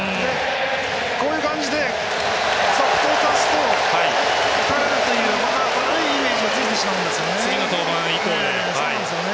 こういう感じで続投させると打たれるという悪いイメージがついてしまうんですよね。